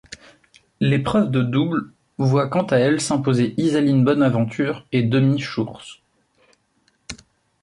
L'épreuve de double voit quant à elle s'imposer Ysaline Bonaventure et Demi Schuurs.